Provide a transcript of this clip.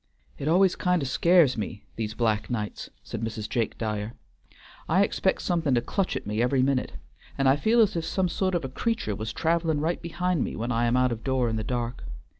"It always kind of scares me these black nights," said Mrs. Jake Dyer. "I expect something to clutch at me every minute, and I feel as if some sort of a creatur' was travelin' right behind me when I am out door in the dark.